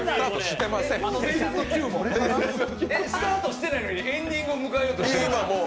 スタートしてないのにエンディングを迎えようとしている？